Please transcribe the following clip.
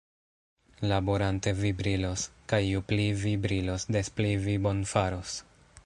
Laborante vi brilos; kaj ju pli vi brilos, des pli vi bonfaros.